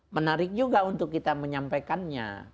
menarik juga untuk kita menyampaikannya